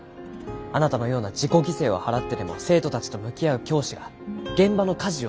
あなたのような自己犠牲を払ってでも生徒たちと向き合う教師が現場の舵を取るべきではない。